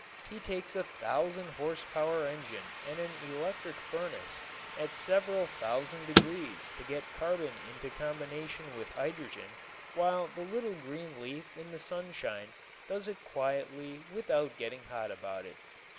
He takes a thousand horsepower engine and an electric furnace at several thousand degrees to get carbon into combination with hydrogen while the little green leaf in the sunshine does it quietly without getting hot about it.